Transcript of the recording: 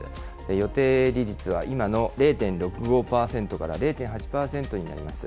予定利率は今の０．６５％から０．８％になります。